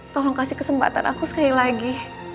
tolong kasih kesempatan aku sekali lagi